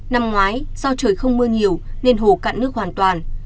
năm ngoái do trời không mưa nhiều nên hồ cạn nước hoàn toàn